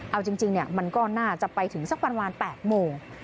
เอาจริงมันก็น่าจะไปถึงสักประมาณ๘โมง